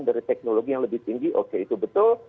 dari teknologi yang lebih tinggi oke itu betul